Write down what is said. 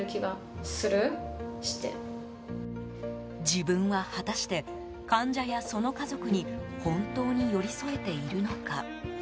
自分は果たして患者や、その家族に本当に寄り添えているのか。